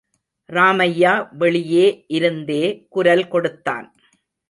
ராமய்யா வெளியே இருந்தே குரல் கொடுத்தான்.